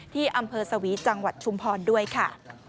ที่อำเภอสวีจังหวัดชุมพรด้วยค่ะ